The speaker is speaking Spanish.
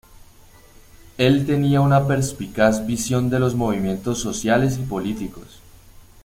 El tenía una perspicaz visión de los movimientos sociales y políticos.